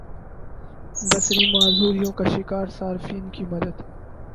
بصری معذوریوں کا شکار صارفین کی مدد